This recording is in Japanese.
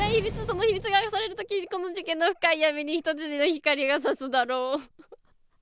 その秘密が明かされるときこの事件の深い闇に一筋の光が指すだろう」。